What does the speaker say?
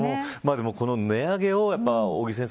この値上げを尾木先生